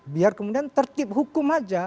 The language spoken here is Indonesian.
biar kemudian tertib hukum aja